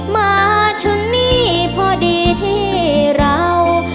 มาถึงนี่พอดีที่เรา